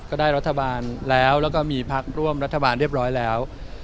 ได้รัฐบาลแล้วแล้วก็มีพักร่วมรัฐบาลเรียบร้อยแล้ว